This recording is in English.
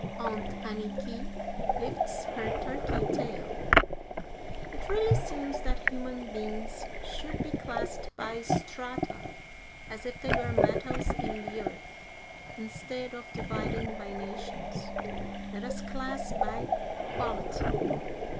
Aunt Anniky lifts her turkey tail! It really seems that human beings should be classed by strata, as if they were metals in the earth. Instead of dividing by nations, let us class by quality.